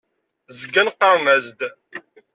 Zgan qqaren-as-d.